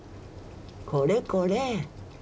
これこれ。